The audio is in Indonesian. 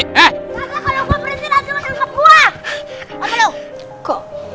gak gak kalau gue berhenti langsung aja langsung ke gua